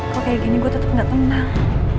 kok kayak gini gue tetap gak tenang